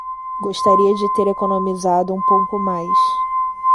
Gostaria de ter economizado um pouco mais